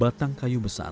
batang kayu besar